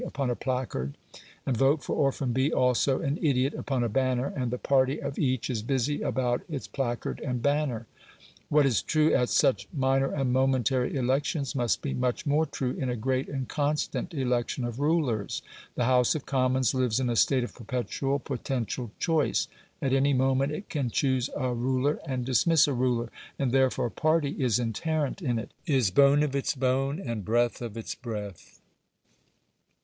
upon a placard, and "Vote for orphan B. (also an idiot!!!)" upon a banner, and the party of each is busy about its placard and banner. What is true at such minor and momentary elections must be much more true in a great and constant election of rulers. The House of Commons lives in a state of perpetual potential choice; at any moment it can choose a ruler and dismiss a ruler. And therefore party is inherent in it, is bone of its bone, and breath of its breath.